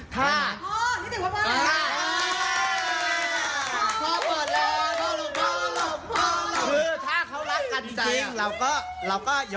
ถ้าพอนิดหนึ่งพอพอ